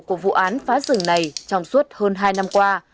của vụ án phá rừng này trong suốt hơn hai năm qua